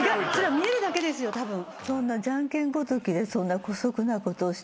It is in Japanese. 見えるだけですよたぶん。